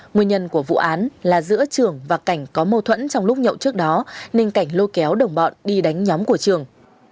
nguyên nhân của vụ án là giữa trường và cảnh có mâu thuẫn trong lúc nhậu trước đó nên cảnh lôi kéo đồng bọn đi đánh nhóm của trường